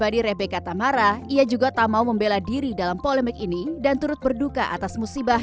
di rebeka tamara ia juga tak mau membela diri dalam polemik ini dan turut berduka atas musibah